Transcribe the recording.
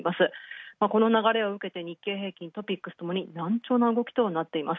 この流れを受けて日経平均、ＴＯＰＩＸともに軟調な動きとなっています。